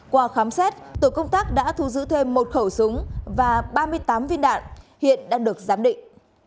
qua khám xét tổ công tác đã thu giữ thêm một khẩu súng và ba mươi tám viên đạn hiện đang được giám định